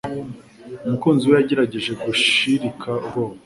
umukunzi we yagerageje gushirika ubwoba